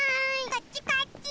こっちこっち！